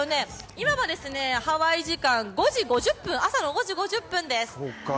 今はハワイ時間、朝の５時５０分です。